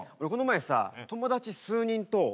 この前さ友達数人と。